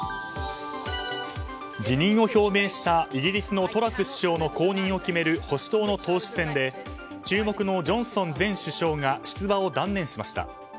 辞任を表明したイギリスのトラス首相の後任を決める保守党の党首選で注目のジョンソン前首相が出馬を断念しました。